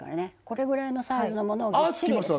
これぐらいのサイズのものを「ア」つきます？